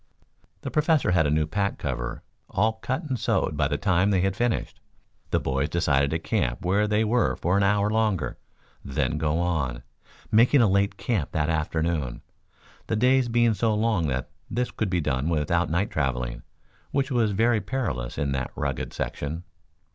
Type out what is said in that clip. The Professor had a new pack cover all cut and sewed by the time they had finished. The boys decided to camp where they were for an hour longer, then go on, making a late camp that afternoon, the days being so long that this could be done without night traveling, which was very perilous in that rugged section.